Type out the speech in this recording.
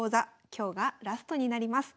今日がラストになります。